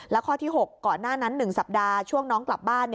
แล้วข้อที่๖ก่อนหน้านั้น๑สัปดาห์ช่วงน้องกลับบ้าน